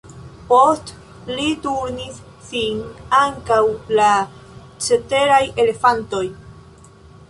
Post li turnis sin ankaŭ la ceteraj elefantoj.